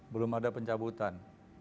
belum ada pencabutan